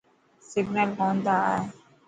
سگنل ڪون تا آئي.